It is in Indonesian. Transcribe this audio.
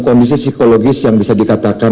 kondisi psikologis yang bisa dikatakan